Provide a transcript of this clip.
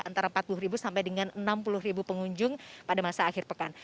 antara empat puluh sampai dengan enam puluh pengunjung pada masa akhir pekan